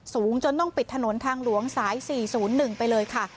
สูงจนต้องปิดถนนทางหลวงสาย๔๐๑ไปเลยค่ะ